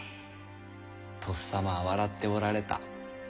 とっさまは笑っておられた。